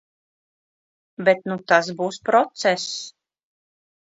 Bet nu tas būs process.